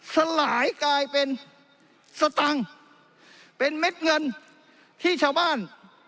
สลายกลายเป็นสตังค์เป็นเม็ดเงินที่ชาวบ้าน